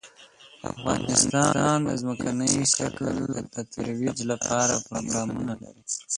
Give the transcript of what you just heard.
افغانستان د ځمکنی شکل د ترویج لپاره پروګرامونه لري.